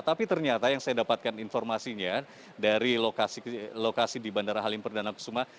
tapi ternyata yang saya dapatkan informasinya dari lokasi di bandara halim perdana kusuma